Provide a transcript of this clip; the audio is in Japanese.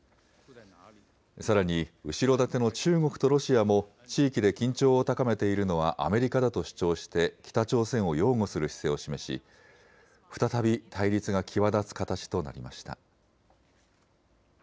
さらに後ろ盾の中国とロシアも地域で緊張を高めているのはアメリカだと主張して北朝鮮を擁護する姿勢を示し再び対立が際立つ形となりました。